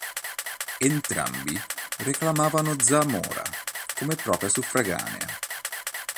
Entrambi reclamavano Zamora come propria suffraganea.